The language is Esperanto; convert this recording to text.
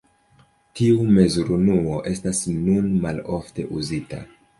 Tiu mezurunuo estas nun malofte uzita.